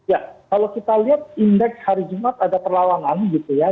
ya kalau kita lihat indeks hari jumat ada perlawanan gitu ya